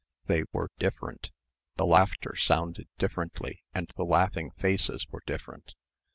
They were different.... The laughter sounded differently and the laughing faces were different.